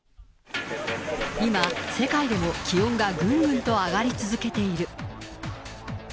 今、世界でも気温がぐんぐん上がり続けている。